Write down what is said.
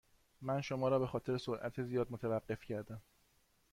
من شما را به خاطر سرعت زیاد متوقف کردم.